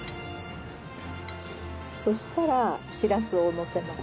そしたらしらすをのせます。